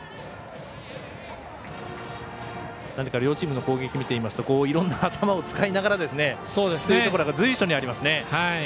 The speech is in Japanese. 何か両チームの攻撃を見ていますといろんな頭を使いながらという場面が随所にありますね。